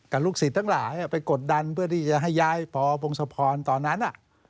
ลูกศิษย์ทั้งหลายไปกดดันเพื่อที่จะให้ย้ายปพงศพรตอนนั้น